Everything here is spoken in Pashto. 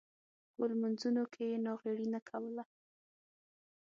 خو لمونځونو کې یې ناغېړي نه کوله.